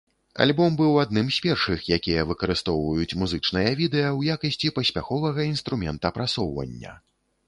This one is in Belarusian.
Альбом быў адным з першых, якія выкарыстоўваюць музычныя відэа ў якасці паспяховага інструмента прасоўвання.